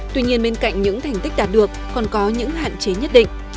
tuy nhiên bên cạnh những thành tích đạt được còn có những hạn chế nhất định